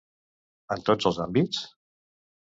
En tots els àmbits?